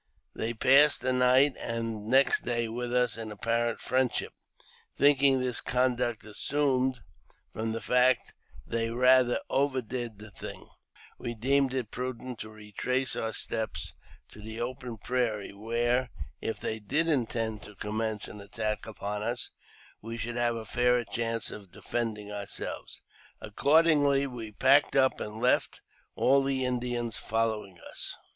They passed the night and next day with us in apparent friendship. Thinking this conduct assumed, from the fact that they rather "■ overdid th& thing," we deemed it prudent to retrace our steps to the open prairie, where, if they did intend to commence an attack upon us, we should have a fairer chance of defending ourselves^ Accordingly, we packed up and left, all the Indians following us.